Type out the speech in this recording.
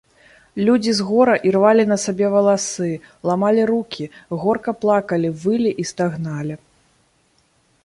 Людзі з гора ірвалі на сабе валасы, ламалі рукі, горка плакалі, вылі і стагналі.